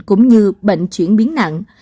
cũng như bệnh chuyển biến nặng